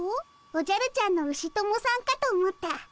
おじゃるちゃんのウシ友さんかと思った。